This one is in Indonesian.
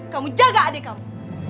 kamu jaga adik kamu